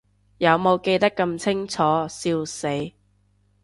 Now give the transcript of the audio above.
有無記得咁清楚，笑死